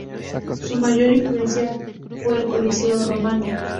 Su mayor influencia fue el Coliseo Romano.